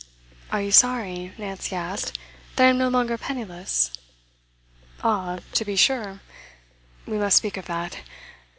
'Are you sorry,' Nancy asked, 'that I am no longer penniless?' 'Ah to be sure. We must speak of that.